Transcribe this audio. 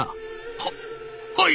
「ははい」。